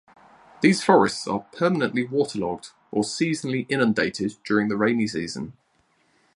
These forests are permanently waterlogged or seasonally inundated during the rainy season.